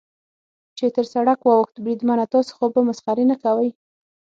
چې تر سړک واوښت، بریدمنه، تاسې خو به مسخرې نه کوئ.